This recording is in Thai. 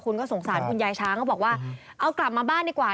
คุณก็สงสารคุณยายช้างก็บอกว่าเอากลับมาบ้านดีกว่า